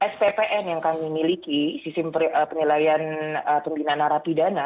sppn yang kami miliki sisi penilaian pemimpinan narapidana